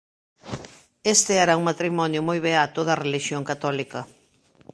Este era un matrimonio moi beato da relixión católica.